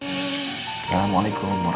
atau kehidupan baru